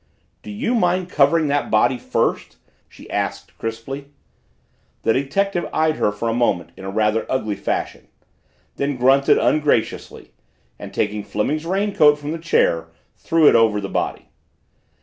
"Do you mind covering that body first?" she asked crisply. The detective eyed her for a moment in a rather ugly fashion then grunted ungraciously and, taking Fleming's raincoat from the chair, threw it over the body.